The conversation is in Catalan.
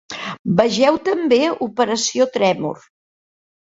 Vegeu també Operació Tremor.